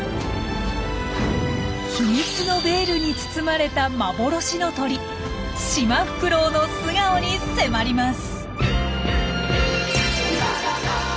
秘密のベールに包まれた幻の鳥シマフクロウの素顔に迫ります！